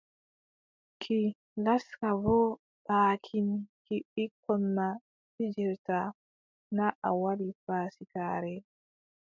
Ki laska boo baakin ki ɓikkon ma pijirta, na a waɗi faasikaare.